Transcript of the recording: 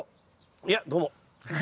いやどうも。